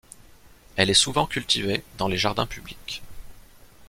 Elle est souvent cultivée dans les jardins publics.